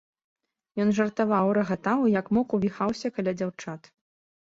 Ён жартаваў, рагатаў і як мог увіхаўся каля дзяўчат.